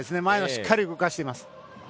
前をしっかり動かしています。